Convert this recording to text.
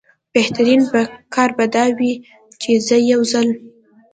بهترین کار به دا وي چې زه یو ځل.